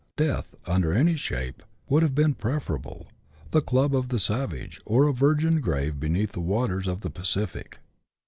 Death, under any shape, would have been preferable — the club of the savage, or a virgin grave beneath the waters of the Pacific.